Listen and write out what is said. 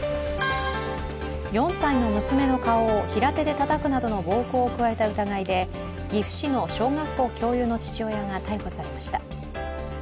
４歳の娘の顔を平手でたたくなどの暴行を加えた疑いで岐阜市の小学校教諭の父親が逮捕されました。